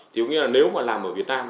thì có nghĩa là nếu mà làm ở việt nam